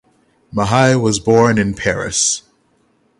Mahy was borne in Paris.